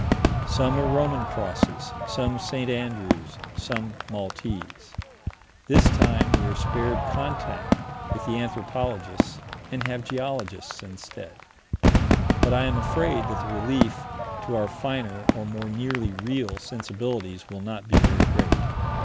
Some are Roman crosses, some St. Andrew's, some Maltese. This time we are spared contact with the anthropologists and have geologists instead, but I am afraid that the relief to our finer, or more nearly real, sensibilities will not be very great.